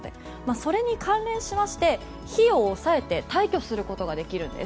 それに関連しまして費用を抑えて退去することができるんです。